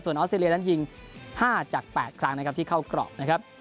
ออสเตรเลียนั้นยิง๕จาก๘ครั้งนะครับที่เข้ากรอบนะครับ